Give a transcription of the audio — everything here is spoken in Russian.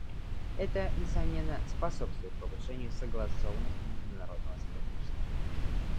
Это, несомненно, способствует повышению согласованности международного сотрудничества.